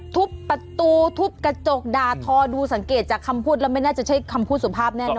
ทุบประตูทุบกระจกด่าทอดูสังเกตจากคำพูดแล้วไม่น่าจะใช้คำพูดสุภาพแน่นอ